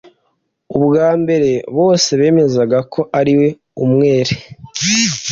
Ubwa mbere, bose bemezaga ko ari umwere.